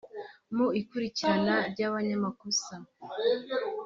mu ikurikirana ry’ abanyamakosa